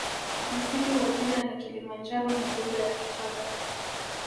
Msingi wa jina la kilimanjaro ni lugha ya kichagga